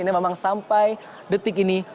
ini memang sampai detik ini